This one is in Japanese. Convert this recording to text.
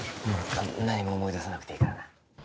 何も思い出さなくていいからな